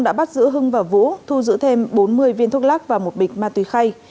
đã bắt giữ hưng và vũ thu giữ thêm bốn mươi viên thuốc lắc và một bịch ma túy khay